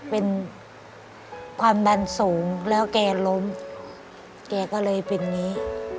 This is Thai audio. เป็นความดันสูงแล้วแกล้มแกก็เลยเป็นอย่างนี้